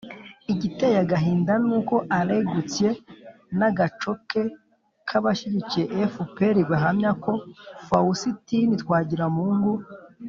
igiteye agahinda ni uko alain gauthier n'agaco ke k'abashyigikiye fpr bahamya ko fawusitini twagiramungu